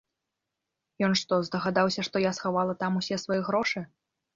Ён што, здагадаўся, што я схавала там усе свае грошы?